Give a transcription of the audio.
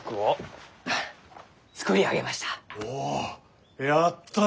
おやったな！